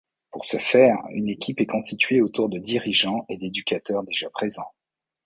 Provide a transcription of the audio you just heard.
Pour ce faire, une équipe est constituée autour de dirigeants et d’éducateurs déjà présents.